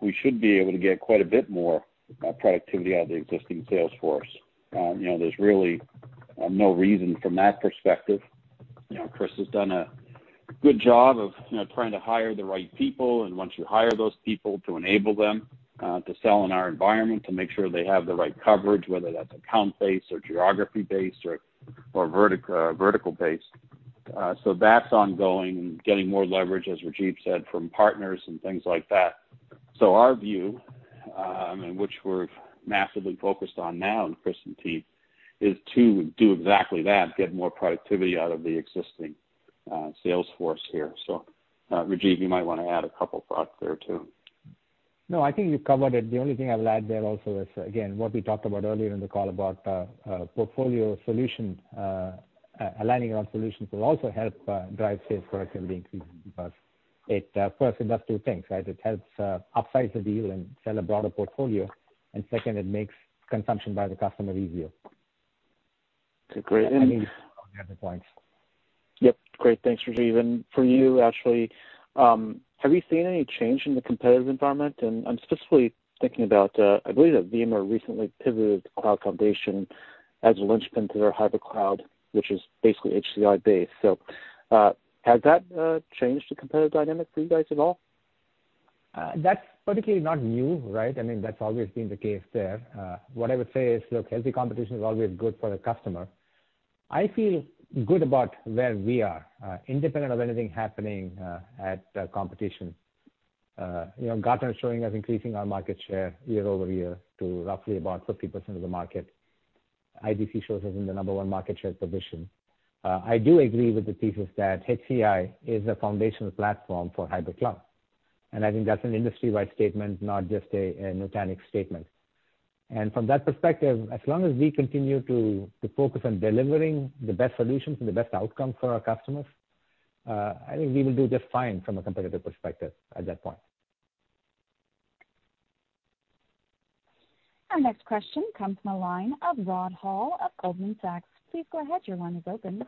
D: we should be able to get quite a bit more productivity out of the existing sales force. There's really no reason from that perspective. Chris has done a good job of trying to hire the right people, and once you hire those people, to enable them to sell in our environment, to make sure they have the right coverage, whether that's account-based or geography-based or vertical-based. That's ongoing and getting more leverage, as Rajiv said, from partners and things like that. Our view, and which we're massively focused on now, and Chris and team, is to do exactly that, get more productivity out of the existing sales force here. Rajiv, you might want to add a couple thoughts there, too.
C: I think you covered it. The only thing I'll add there also is, again, what we talked about earlier in the call about portfolio solution, aligning around solutions will also help drive sales productivity increase because it first does two things, right? Second, it makes consumption by the customer easier.
K: Okay, great.
C: I think those are the points.
K: Yep. Great. Thanks, Rajiv. For you, Rajiv, have you seen any change in the competitive environment? I'm specifically thinking about, I believe that VMware recently pivoted VMware Cloud Foundation as a linchpin to their hybrid cloud, which is basically HCI-based. Has that changed the competitive dynamic for you guys at all?
C: That's particularly not new, right? That's always been the case there. What I would say is, look, healthy competition is always good for the customer. I feel good about where we are, independent of anything happening at competition. Gartner is showing us increasing our market share year-over-year to roughly about 50% of the market. IDC shows us in the number one market share position. I do agree with the thesis that HCI is a foundational platform for hybrid cloud. I think that's an industry-wide statement, not just a Nutanix statement. From that perspective, as long as we continue to focus on delivering the best solutions and the best outcomes for our customers, I think we will do just fine from a competitive perspective at that point.
A: Our next question comes from the line of Rod Hall of Goldman Sachs. Please go ahead, your line is open.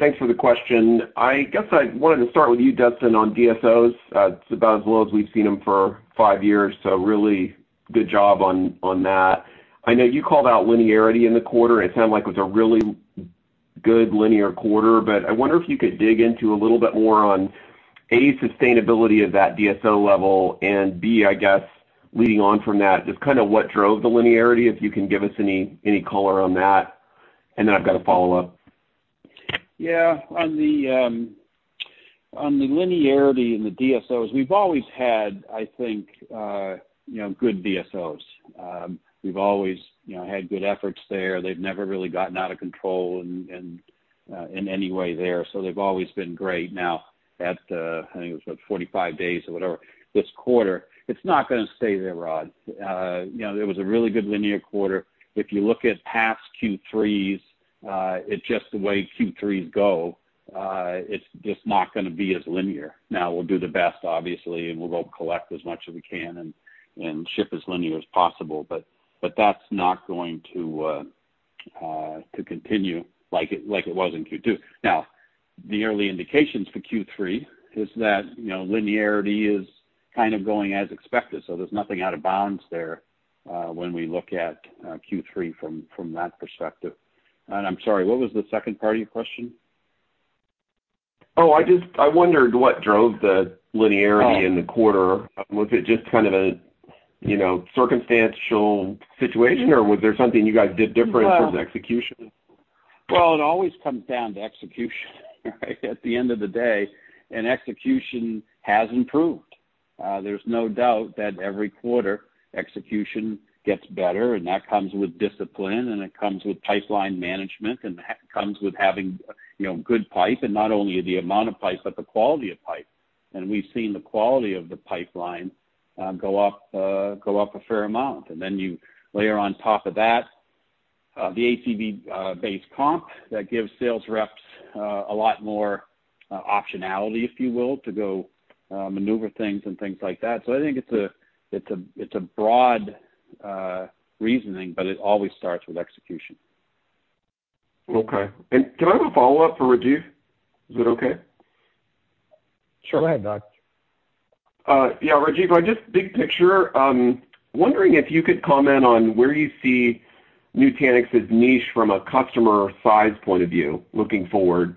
L: Thanks for the question. I guess I wanted to start with you, Duston, on DSOs. It's about as low as we've seen them for five years, so really good job on that. I know you called out linearity in the quarter. It sounded like it was a really good linear quarter, but I wonder if you could dig into a little bit more on, A, sustainability of that DSO level and, B, I guess leading on from that, just what drove the linearity, if you can give us any color on that. I've got a follow-up.
D: Yeah. On the linearity in the DSOs, we've always had, I think, good DSOs. We've always had good efforts there. They've never really gotten out of control in any way there. They've always been great. At, I think it was, what, 45 days or whatever this quarter, it's not going to stay there, Rod. It was a really good linear quarter. If you look at past Q3s, it's just the way Q3s go. It's just not going to be as linear. We'll do the best, obviously, and we'll go collect as much as we can and ship as linear as possible. That's not going to continue like it was in Q2. The early indications for Q3 is that linearity is kind of going as expected, there's nothing out of bounds there when we look at Q3 from that perspective. I'm sorry, what was the second part of your question?
L: I wondered what drove the linearity in the quarter. Was it just kind of a circumstantial situation, or was there something you guys did different in terms of execution?
D: Well, it always comes down to execution at the end of the day. Execution has improved. There's no doubt that every quarter execution gets better. That comes with discipline. It comes with pipeline management. That comes with having good pipe. Not only the amount of pipe, but the quality of pipe. We've seen the quality of the pipeline go up a fair amount. Then you layer on top of that the ACV-based comp that gives sales reps a lot more optionality, if you will, to go maneuver things and things like that. I think it's a broad reasoning, but it always starts with execution.
L: Okay. Can I have a follow-up for Rajiv? Is that okay?
C: Sure. Go ahead, Rod.
L: Yeah, Rajiv, just big picture, I'm wondering if you could comment on where you see Nutanix's niche from a customer size point of view looking forward.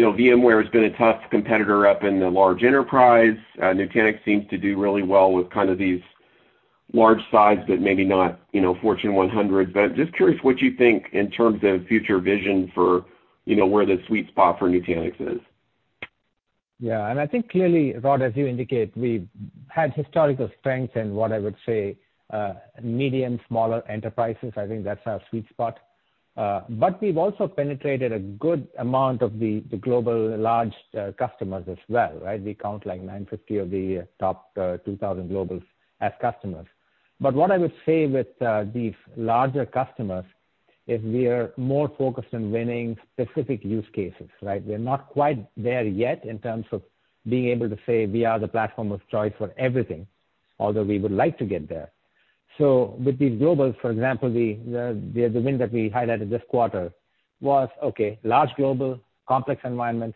L: VMware has been a tough competitor up in the large enterprise. Nutanix seems to do really well with these large size, but maybe not Fortune 100. Just curious what you think in terms of future vision for where the sweet spot for Nutanix is.
C: Yeah. I think clearly, Rod, as you indicate, we've had historical strength in what I would say, medium, smaller enterprises. I think that's our sweet spot. We've also penetrated a good amount of the global large customers as well, right? We count like 950 of the top 2,000 global as customers. What I would say with these larger customers is we are more focused on winning specific use cases, right? We're not quite there yet in terms of being able to say we are the platform of choice for everything, although we would like to get there. With these globals, for example, the win that we highlighted this quarter was, okay, large global, complex environment,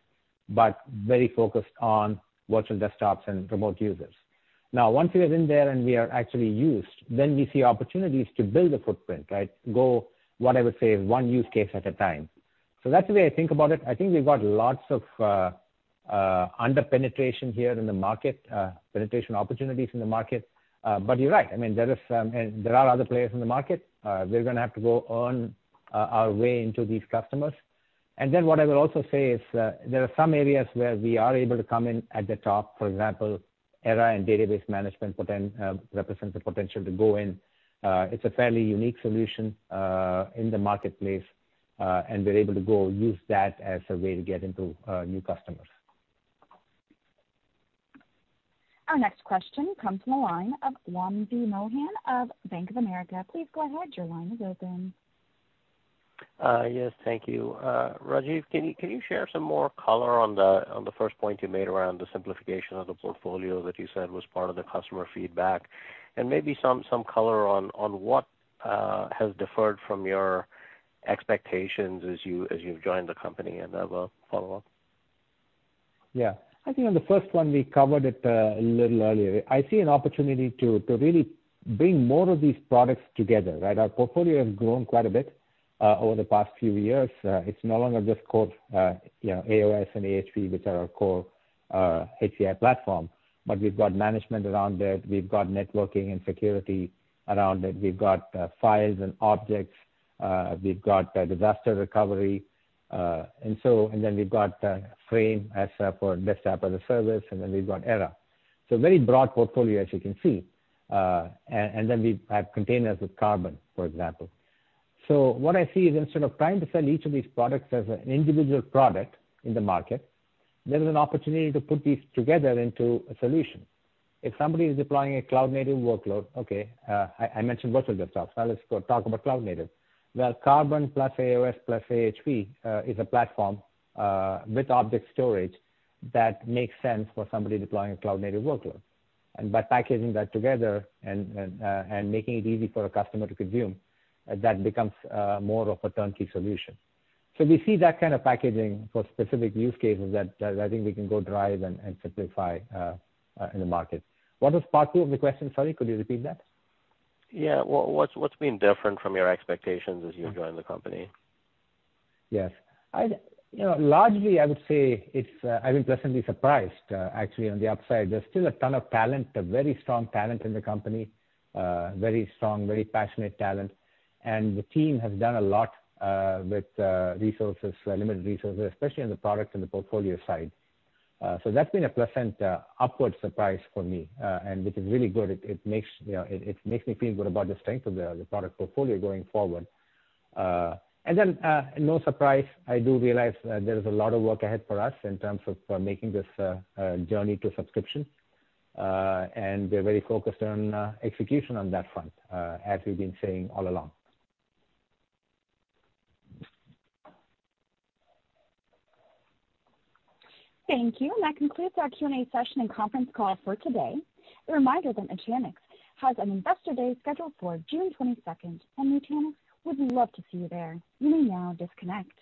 C: but very focused on virtual desktops and remote users. Now, once we are in there and we are actually used, then we see opportunities to build a footprint, right? Go, what I would say, is one use case at a time. That's the way I think about it. I think we've got lots of under-penetration here in the market, penetration opportunities in the market. You're right, there are some other players in the market. We're going to have to go earn our way into these customers. Then what I will also say is there are some areas where we are able to come in at the top, for example, Era and database management represent the potential to go in. It's a fairly unique solution in the marketplace, and we're able to go use that as a way to get into new customers.
A: Our next question comes from the line of Wamsi Mohan of Bank of America. Please go ahead, your line is open.
M: Yes, thank you. Rajiv, can you share some more color on the first point you made around the simplification of the portfolio that you said was part of the customer feedback? Maybe some color on what has differed from your expectations as you've joined the company? I have a follow-up.
C: Yeah. I think on the first one, we covered it a little earlier. I see an opportunity to really bring more of these products together, right? Our portfolio has grown quite a bit over the past few years. It's no longer just code, AOS and AHV, which are our core HCI platform. We've got management around it, we've got networking and security around it. We've got Files and objects, we've got disaster recovery, and then we've got Frame as our desktop as a service, and then we've got Era. Very broad portfolio, as you can see. We have containers with Karbon, for example. What I see is instead of trying to sell each of these products as an individual product in the market, there is an opportunity to put these together into a solution. If somebody is deploying a cloud-native workload, okay, I mentioned virtual desktops. Now let's go talk about cloud-native, where Karbon plus AOS plus AHV is a platform with object storage that makes sense for somebody deploying a cloud-native workload. By packaging that together and making it easy for a customer to consume, that becomes more of a turnkey solution. We see that kind of packaging for specific use cases that I think we can go drive and simplify in the market. What was part two of the question? Sorry, could you repeat that?
M: Yeah. What's been different from your expectations as you joined the company?
C: Yes. Largely, I would say I've been pleasantly surprised, actually, on the upside. There's still a ton of talent, a very strong talent in the company, very strong, very passionate talent. The team has done a lot with resources, limited resources, especially on the product and the portfolio side. That's been a pleasant upward surprise for me, and which is really good. It makes me feel good about the strength of the product portfolio going forward. No surprise, I do realize there is a lot of work ahead for us in terms of making this journey to subscription. We're very focused on execution on that front, as we've been saying all along.
A: Thank you. That concludes our Q&A session and conference call for today. A reminder that Nutanix has an Investor Day scheduled for June 22nd. Nutanix would love to see you there. You may now disconnect.